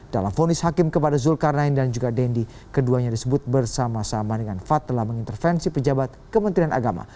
dalam fonis hakim kepada zulkarnain dan juga dendi keduanya disebut bersama sama dengan fad telah mengintervensi pejabat kementerian agama